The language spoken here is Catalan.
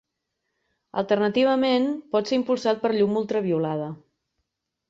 Alternativament, pot ser impulsat per llum ultraviolada.